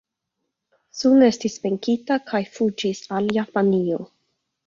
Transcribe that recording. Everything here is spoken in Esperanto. Sun estis venkita kaj fuĝis al Japanio.